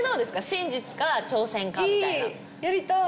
真実か挑戦かみたいないい！